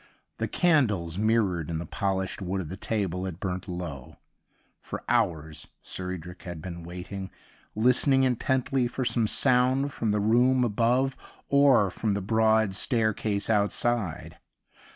The candles^ mirrored in the polished wood of the table, had burnt low. For hours Sir Edric had been waiting, listening intently for some sound from the room above or from the broad staircase outside.